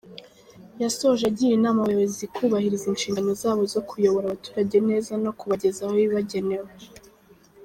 Yasoje agira inama abayobozi kubahiriza inshingano zabo zo kuyobora abaturage neza no kubagezaho ibibagenewe.